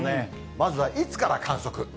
まずはいつから観測。